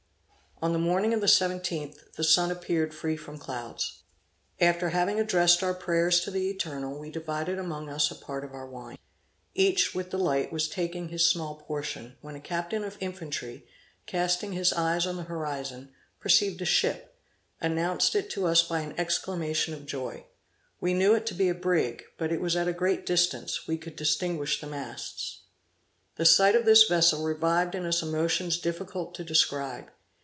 On the morning of the 17th, the sun appeared free from clouds. After having addressed our prayers to the Eternal, we divided among us a part of our wine. Each, with delight, was taking his small portion, when a captain of infantry, casting his eyes on the horizon, perceived a ship, announced it to us by an exclamation of joy. We knew it to be a brig, but it was at a great distance; we could distinguish the masts. The sight of this vessel revived in us emotions difficult to describe.